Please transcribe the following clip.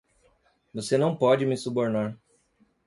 Você não pode me subornar.